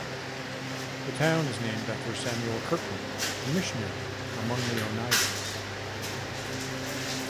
The town is named after Samuel Kirkland, a missionary among the Oneidas.